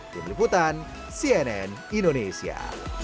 dari meliputan cnn indonesia